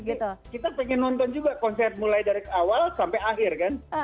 kita pengen nonton juga konser mulai dari awal sampai akhir kan